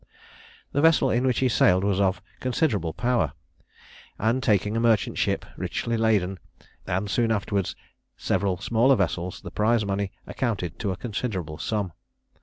The vessel in which he sailed was of considerable power, and taking a merchant ship richly laden, and soon afterwards several smaller vessels, the prize money amounted to a considerable sum.